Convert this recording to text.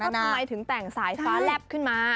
ทำไมถึงแต่งสายฟ้าแลบขึ้นมา